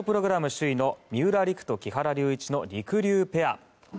首位の三浦璃来と木原龍一のりくりゅうペア。